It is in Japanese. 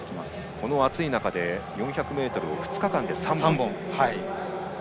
この暑い中で４００ｍを２日間で３本。